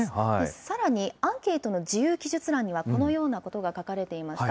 さらにアンケートの自由記述欄には、このようなことが書かれていました。